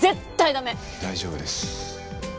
大丈夫です。